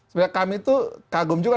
sebenarnya kami itu kagum juga